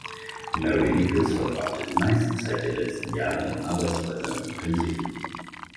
Mary Nichols verbrachte die meiste Zeit der letzten Jahre in Arbeitshäusern und Pensionen.